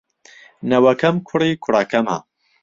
نەوەکەم کوڕی کوڕەکەمە.